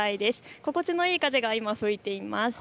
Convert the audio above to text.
心地いい風が吹いています。